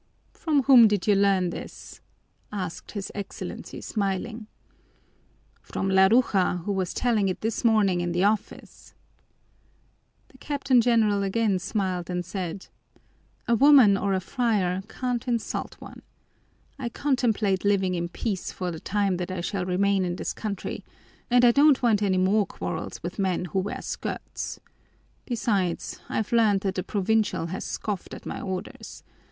"From whom did you learn this?" asked his Excellency, smiling. "From Laruja, who was telling it this morning in the office." The Captain General again smiled and said: "A woman or a friar can't insult one. I contemplate living in peace for the time that I shall remain in this country and I don't want any more quarrels with men who wear skirts. Besides, I've learned that the Provincial has scoffed at my orders.